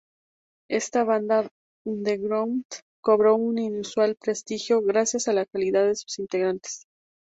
Esta banda underground, cobró un inusual prestigio gracias a la calidad de sus integrantes.